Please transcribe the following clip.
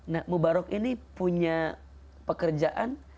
nah mubarok ini punya pekerjaan